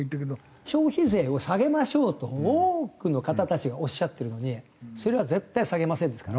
消費税を下げましょうと多くの方たちがおっしゃってるのにそれは絶対下げませんですから。